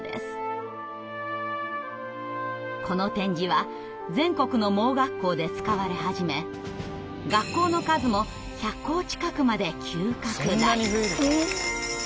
この点字は全国の盲学校で使われ始め学校の数も１００校近くまで急拡大。